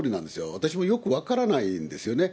私もよく分からないんですよね。